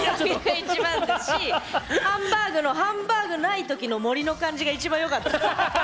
一番だしハンバーグのハンバーグない時の森の感じが一番よかった。